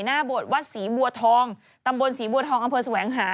บวชวัดศรีบัวทองตำบลศรีบัวทองอำเภอแสวงหา